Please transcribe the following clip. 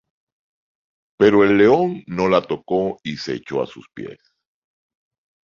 Pero el león no la tocó y se echó a sus pies.